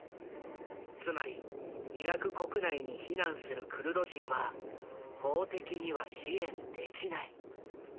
つまりイラク国内に避難するクルド人は法的には支援できない。